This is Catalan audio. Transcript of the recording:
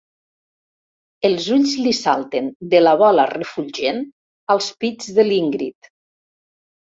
Els ulls li salten de la bola refulgent als pits de l'Ingrid.